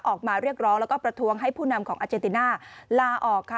ออกมาเรียกร้องแล้วก็ประท้วงให้ผู้นำของอาเจติน่าลาออกค่ะ